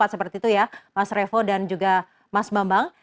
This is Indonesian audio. seperti itu ya mas revo dan juga mas bambang